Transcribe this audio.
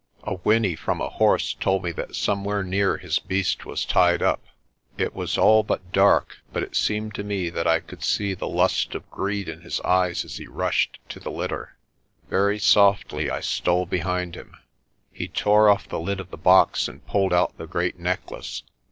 A whinny from a horse told me that somewhere near his beast was tied up. It was all 164 PRESTER JOHN but dark, but it seemed to me that I could see the lust of greed in his eyes as he rushed to the litter. Very softly I stole behind him. He tore off the lid of the box and pulled out the great necklace.